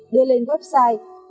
đưa lên website